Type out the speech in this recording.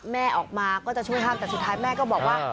แม่ออกมาก็จะช่วยห้ามแต่สุดท้ายแม่ก็บอกว่า